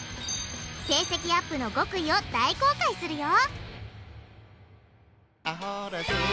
成績アップの極意を大公開するよ！